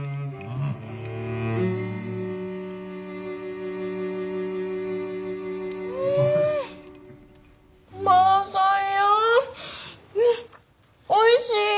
うんおいしい！